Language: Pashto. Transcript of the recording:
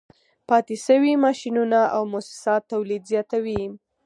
پاتې شوي ماشینونه او موسسات تولید زیاتوي